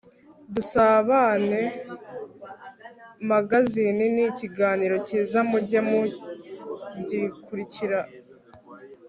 dusabane magazine nikigaaniro cyiza mujye mugikurikira